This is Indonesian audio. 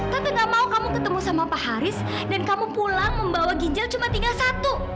tentu gak mau kamu ketemu sama pak haris dan kamu pulang membawa ginjal cuma tinggal satu